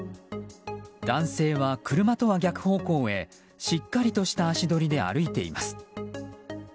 男性は車とは逆方向へしっかりとした足取りで歩いています。